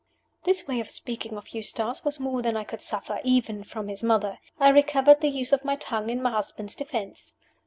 This way of speaking of Eustace was more than I could suffer, even from his mother. I recovered the use of my tongue in my husband's defense.